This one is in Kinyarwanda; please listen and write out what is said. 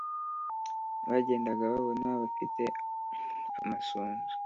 bagendaga babona abafite amasunzu